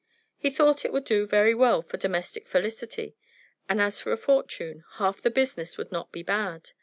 He thought it would do very well for domestic felicity. And as for a fortune, half the business would not be bad.